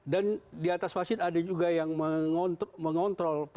dan di atas wasit ada juga yang mengontrol